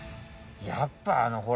やっぱあのほら。